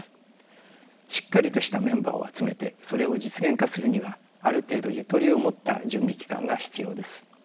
しっかりとしたメンバーを集めてそれを実現化するにはある程度ゆとりを持った準備期間が必要です。